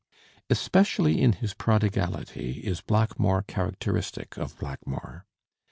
Especially in his prodigality is Blackmore characteristic of Blackmore.